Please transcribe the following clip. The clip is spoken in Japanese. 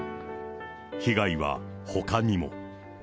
被害はほかにも。